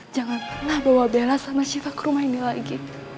jangan pernah bawa bela sama shiva ke rumah ini lagi